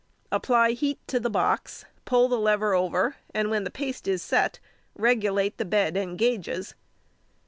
Apply heat to the box; pull the lever over, and when the paste is set, regulate the bed and gauges.